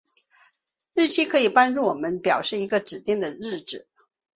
日期可以帮助我们表示一个指定的日子。